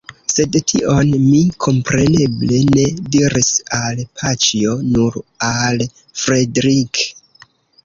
Sed tion mi kompreneble ne diris al Paĉjo, nur al Fredrik.